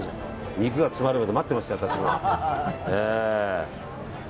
肉が詰まるのを待ってました私も。